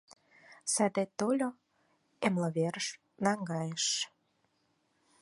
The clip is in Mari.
Садет тольо — эмлымверыш наҥгайыш...